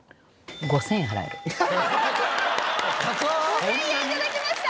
５０００円頂きました！